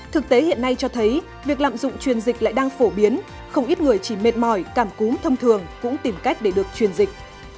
thực tế hiện nay cho thấy việc lạm dụng truyền dịch lại đang phổ biến không ít người chỉ mệt mỏi cảm cúm thông thường cũng tìm cách để được truyền dịch